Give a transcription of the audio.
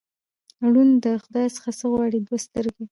ـ ړوند له خدايه څه غواړي، دوې سترګې.